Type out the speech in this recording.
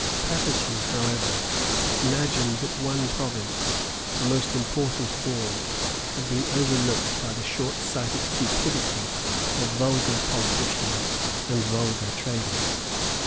Paterson, however, imagined that one province, the most important of all, had been overlooked by the short sighted cupidity of vulgar politicians and vulgar traders.